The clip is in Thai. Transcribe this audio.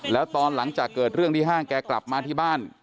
แล้วตอนหลังจากเกิดเรื่องที่ห้างแกกลับมาที่บ้าน